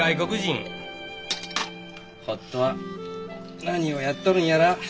ほっとは何をやっとるんやら。